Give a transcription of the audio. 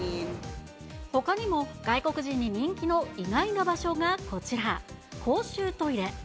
ほかにも外国人に人気の意外な場所がこちら、公衆トイレ。